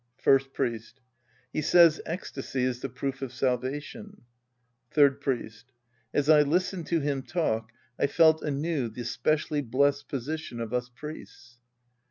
First Priest. He says ecstasy is the proof of salvation. Third Priest. As I listened to him talk I felt anew the specially blessed position of us priests.